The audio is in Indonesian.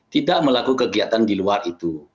tidak melakukan kegiatan di luar itu